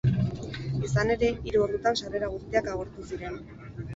Izan ere, hiru ordutan sarrera guztiak agortu ziren.